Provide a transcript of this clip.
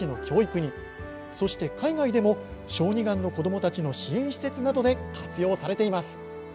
そして、海外でも小児がんの子どもたちの支援施設などで活用されています。